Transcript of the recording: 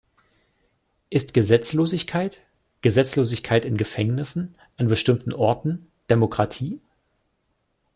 Ist Gesetzlosigkeit, Gesetzlosigkeit in Gefängnissen, an bestimmten Orten, Demokratie?